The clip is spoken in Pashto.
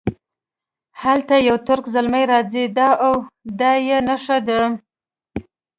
هلته یو ترک زلمی راځي دا او دا یې نښې دي.